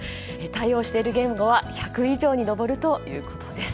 対応している言語は１００以上に上るということです。